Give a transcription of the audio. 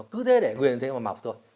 cứ thế để nguyên thế mà mọc thôi